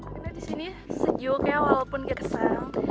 karena di sini sejuk ya walaupun gersam